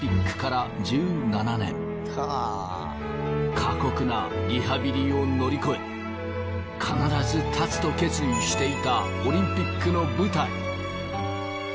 過酷なリハビリを乗り越え必ず立つと決意していたそしてついに。